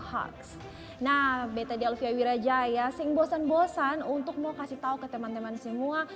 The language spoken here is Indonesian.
hoax nah beta delvia wirajaya sing bosan bosan untuk mau kasih tahu ke teman teman semua